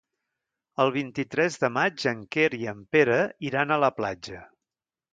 El vint-i-tres de maig en Quer i en Pere iran a la platja.